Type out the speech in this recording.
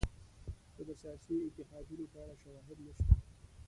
خو د سیاسي اتحادونو په اړه شواهد نشته.